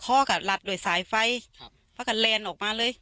พ่อกันหลัดโดยสายไฟครับเพราะกันแลนด์ออกมาเลย